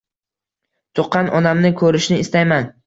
Tuqqan onamni ko‘rishni istayman.